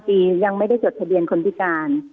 ปียังไม่ได้จดทะเบียนคนพิการ